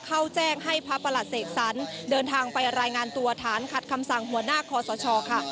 เข้าแจ้งให้พระประหลัดเสกสรรเดินทางไปรายงานตัวฐานขัดคำสั่งหัวหน้าคอสชค่ะ